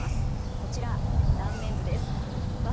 こちら断面図です。